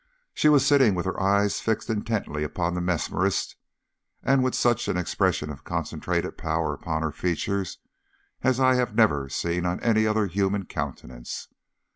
She was sitting with her eyes fixed intently upon the mesmerist, and with such an expression of concentrated power upon her features as I have never seen on any other human countenance.